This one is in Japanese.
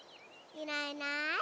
いないいない。